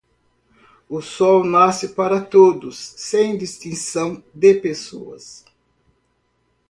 O Sol nasce para todos, sem distinção de pessoas.